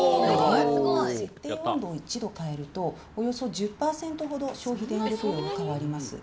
設定温度を１度変えると、およそ１０％ほど消費電力量が変わります。